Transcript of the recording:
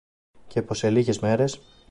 και πως σε λίγες μέρες